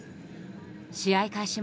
試合開始